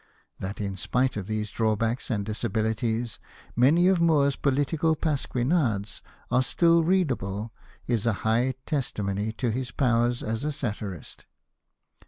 That in spite of these drawbacks and disabilities, many of Moore's political pasquinades are still read able is a high testimony to his powers as a satirist.